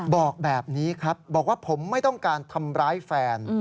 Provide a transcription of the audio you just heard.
บอกแบบนี้ครับบอกว่าผมไม่ต้องการทำร้ายแฟน